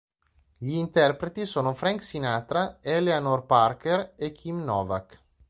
Gli interpreti sono Frank Sinatra, Eleanor Parker e Kim Novak.